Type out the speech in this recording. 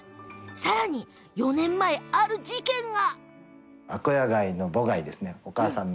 さらに４年前、ある事件が。